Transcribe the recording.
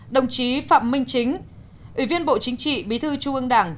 đồng chí phạm minh chính ủy viên bộ chính trị bí thư trung ương đảng